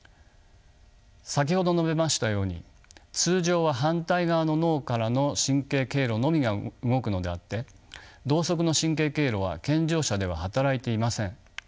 先ほど述べましたように通常は反対側の脳からの神経経路のみが動くのであって同側の神経経路は健常者では働いていません。